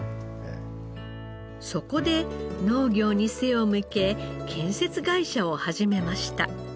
そこで農業に背を向け建設会社を始めました。